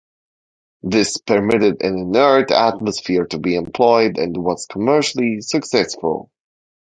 This permitted an inert atmosphere to be employed, and was commercially successful.